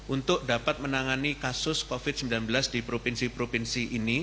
untuk dapat menangani kasus covid sembilan belas di provinsi provinsi ini